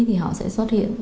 thì họ sẽ xuất hiện